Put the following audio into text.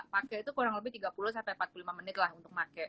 pakai itu kurang lebih tiga puluh sampai empat puluh lima menit lah untuk pakai